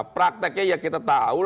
prakteknya kita tahu